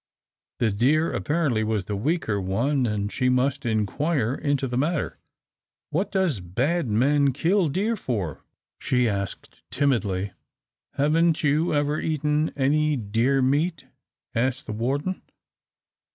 The deer apparently was the weaker one, and she must inquire into the matter. "What does bad men kill deer for?" she asked, timidly. "Haven't you ever eaten any deer meat?" asked the warden.